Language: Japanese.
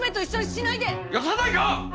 よさないか！